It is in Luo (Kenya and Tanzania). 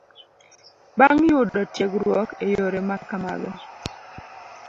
Bang' yudo tiegruok e yore ma kamago